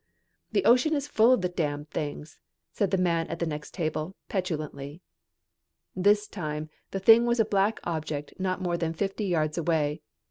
"The ocean is full of the damn things," said the man at the next table petulantly. This time the thing was a black object not more than fifty yards away.